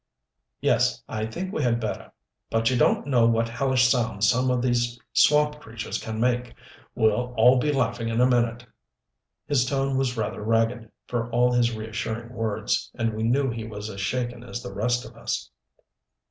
"Yes I think we had better. But you don't know what hellish sounds some of these swamp creatures can make. We'll all be laughing in a minute." His tone was rather ragged, for all his reassuring words, and we knew he was as shaken as the rest of us.